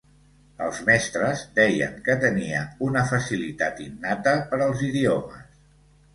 Els mestres deien que tenia una facilitat innata per als idiomes.